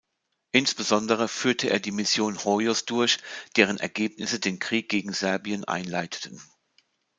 Insbesondere führte er die Mission Hoyos durch, deren Ergebnisse den Krieg gegen Serbien einleiteten.